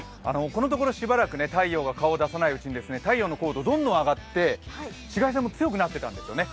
このところ、しばらく太陽が顔を出さないうちに太陽の高度、どんどん上がって紫外線も強くなってたんですよね。